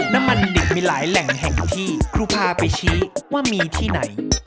น้ำมันดิบมีหลายแหล่งแห่งที่ครูพาไปชี้ว่ามีที่ไหน